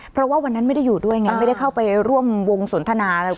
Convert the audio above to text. เพราะว่าวันนั้นไม่ได้อยู่ด้วยไงไม่ได้เข้าไปร่วมวงสนทนาอะไร